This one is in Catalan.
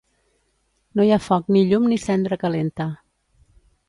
No hi ha foc ni llum ni cendra calenta.